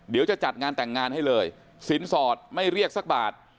เดี๋ยวจะจัดงานแต่งงานให้เลยสินสอดไม่เรียกสักบาท